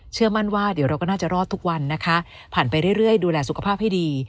เชื่อมั่นว่าเดี๋ยวเราก็น่าจะรอดทุกวันนะคะผ่านไปเรื่อยดูแลสุขภาพให้ดี